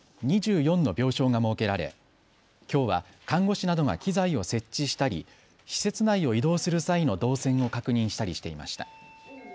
２４の病床が設けられ、きょうは看護師などが機材を設置したり施設内を移動する際の動線を確認したりしていました。